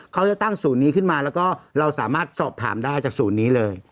เขาจะตั้งศูนย์นี้ขึ้นมาแล้วก็เราสามารถสอบถามได้จากศูนย์นี้เลย